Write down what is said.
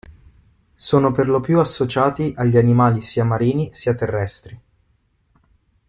Sono perlopiù associati agli animali sia marini sia terrestri.